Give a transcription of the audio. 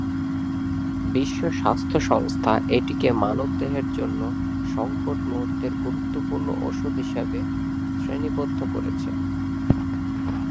বিশ্ব স্বাস্থ্য সংস্থা এটিকে মানবদেহের জন্য সংকট মুহুর্তের গুরুত্বপূর্ণ ওষুধ হিসাবে শ্রেণীবদ্ধ করেছে।